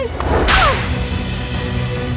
ampunilah semua itu